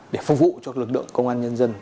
để phục vụ cho lực lượng công an nhân dân